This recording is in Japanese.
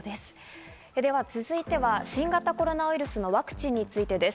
続いては新型コロナウイルスのワクチンについてです。